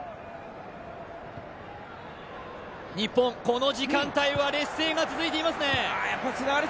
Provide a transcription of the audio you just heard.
この時間帯は劣勢が続いていますねああ